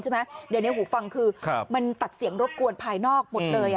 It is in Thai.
เดี๋ยวในหูฟังคือมันตัดเสียงรดกวนภายนอกหมดเลย